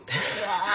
わあ。